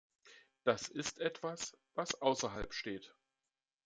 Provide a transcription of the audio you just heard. Das ist etwas, was außerhalb steht.